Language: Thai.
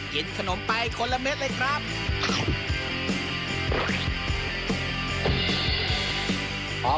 กินขนมไปคนละเม็ดเลยครับ